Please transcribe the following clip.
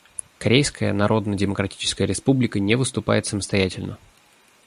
Корейская Народно-Демократическая Республика не выступает самостоятельно.